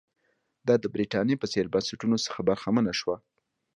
دا د برېټانیا په څېر بنسټونو څخه برخمنه شوه.